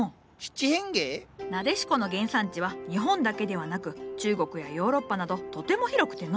ナデシコの原産地は日本だけではなく中国やヨーロッパなどとても広くての。